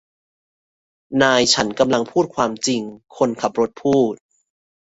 นายฉันกำลังพูดความจริงคนขับรถพูด